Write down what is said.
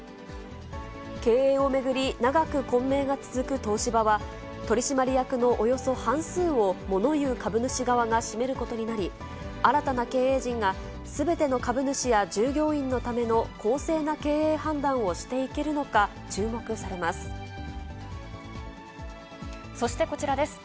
経営を巡り、長く混迷が続く東芝は、取締役のおよそ半数をモノ言う株主側が占めることになり、新たな経営陣が、すべての株主や従業員のための公正な経営判断をしていけるのか、そしてこちらです。